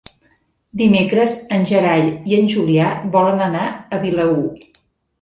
Dimecres en Gerai i en Julià volen anar a Vilaür.